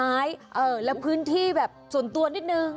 ไม้เออและพื้นที่แบบส่วนตัวนิดหนึ่ง